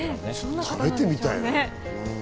食べてみたいね。